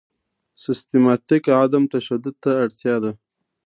سیستماتیک عدم تشدد ته اړتیا ده.